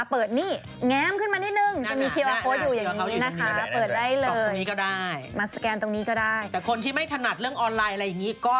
เป็นคนตรงเวลามั้ย